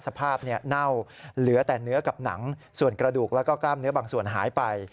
เน่าเหลือแต่เนื้อกับหนังส่วนกระดูกแล้วก็กล้ามเนื้อบางส่วนหายไป